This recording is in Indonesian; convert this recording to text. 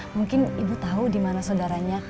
mungkin ibu tahu dimana saudaranya